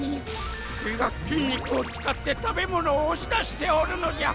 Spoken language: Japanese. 胃が筋肉を使って食べ物を押し出しておるのじゃ。